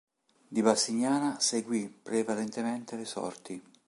Di Bassignana seguì prevalentemente le sorti.